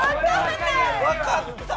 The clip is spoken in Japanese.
分かった。